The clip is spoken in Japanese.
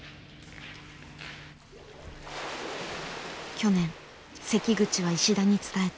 去年関口は石田に伝えた。